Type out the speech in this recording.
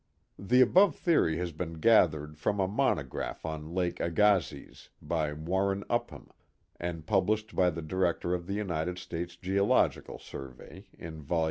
The above theory has been gathered from a monograph on Lake Agassiz, by Warren Upham, and published by the director of the Urtited Stale* Geological Survey in vol.